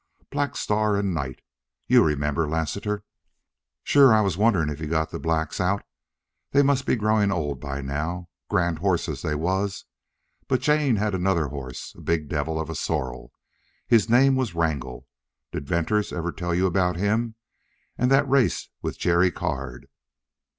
Black Star and Night! You remember, Lassiter?" "Shore. I was wonderin' if he got the blacks out. They must be growin' old by now.... Grand hosses, they was. But Jane had another hoss, a big devil of a sorrel. His name was Wrangle. Did Venters ever tell you about him an' thet race with Jerry Card?"